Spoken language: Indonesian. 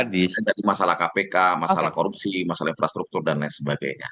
jadi masalah kpk masalah korupsi masalah infrastruktur dan lain sebagainya